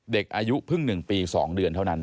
เด็กอายุเพิ่ง๑ปี๒เดือนเท่านั้น